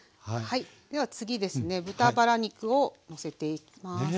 では次ですね豚バラ肉をのせていきます。